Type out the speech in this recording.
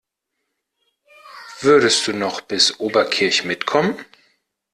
Würdest du noch bis Oberkirch mitkommen?